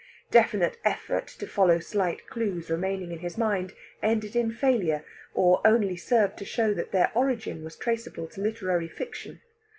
Definite effort to follow slight clues remaining in his mind ended in failure, or only served to show that their origin was traceable to literary fiction.